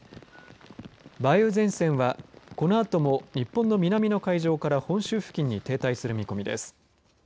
梅雨前線はこのあとも日本の南の海上から本州付近に停滞する見込みです。